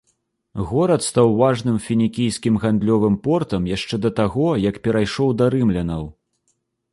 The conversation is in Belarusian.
Горад стаў важным фінікійскім гандлёвым портам яшчэ да таго як перайшоў да рымлянаў.